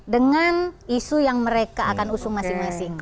dengan isu yang mereka akan usung masing masing